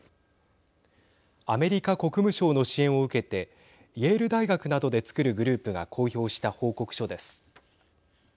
アメリカ国務省の支援を受けてイェール大学などでつくるグループが公表した報告書です。